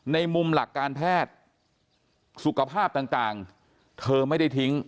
ในมุมหลักการแพทย์สุขภาพต่างเธอไม่ได้ทิ้ง